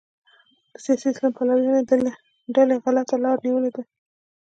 د سیاسي اسلام پلویانو ډلې غلطه لاره نیولې ده.